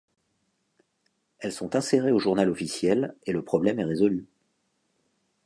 Elles sont insérées au Journal Officiel et le problème est résolu.